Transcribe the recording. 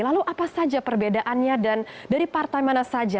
lalu apa saja perbedaannya dan dari partai mana saja